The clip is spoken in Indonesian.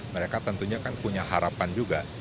mereka tentunya kan punya harapan juga